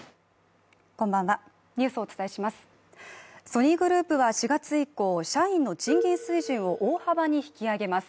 ソニーグループは４月以降社員の賃金水準を大幅に引き上げます。